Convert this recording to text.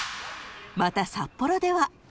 ［また札幌では］